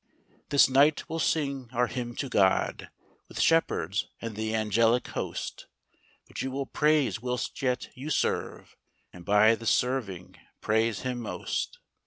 " This night we'll sing our hymn to God With shepherds and the angelic host ; But you will praise whilst yet you serve, And by the serving praise Him most.